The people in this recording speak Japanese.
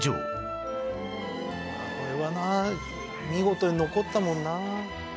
これはな見事に残ったもんな。